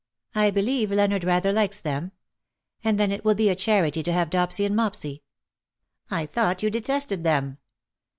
I believe Leonard rather likes them. And then it will be a charity to have Dopsy and Mopsy/^ ^' I thought you detested them.